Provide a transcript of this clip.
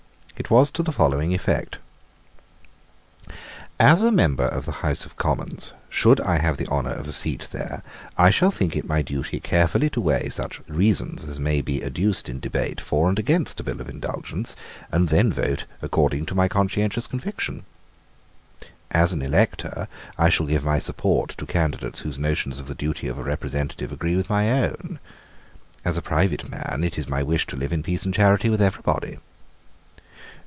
It was to the following effect: "As a member of the House of Commons, should I have the honour of a seat there, I shall think it my duty carefully to weigh such reasons as may be adduced in debate for and against a Bill of Indulgence, and then to vote according to my conscientious conviction. As an elector, I shall give my support to candidates whose notions of the duty of a representative agree with my own. As a private man, it is my wish to live in peace and charity with every body."